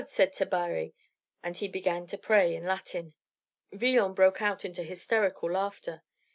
said Tabary, and he began to pray in Latin. Villon broke out into hysterical laughter.